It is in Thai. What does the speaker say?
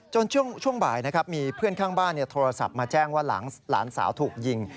ช่วงบ่ายนะครับมีเพื่อนข้างบ้านโทรศัพท์มาแจ้งว่าหลานสาวถูกยิง